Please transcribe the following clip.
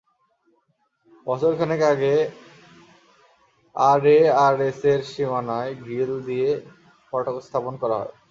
বছর খানেক আগে আরএআরএসের সীমানায় গ্রিল দিয়ে ফটক স্থাপন করা হয়।